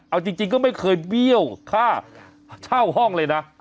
เอาจริงก็ไม่เคยเบี้ยวค่าเช่าห้องเลยนะ